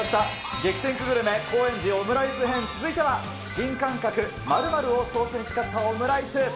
激戦区グルメ高円寺、オムライス編、続いては新感覚、○○をソースに使ったオムライス。